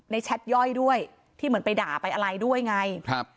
แชทย่อยด้วยที่เหมือนไปด่าไปอะไรด้วยไงครับ